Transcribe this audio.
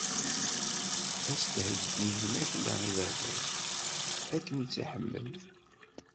Ad s-d-heggiɣ lmakla i baba-k, akken i tt-iḥemmel.